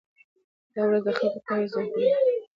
دا ورځ د خلکو پوهاوی زیاتوي.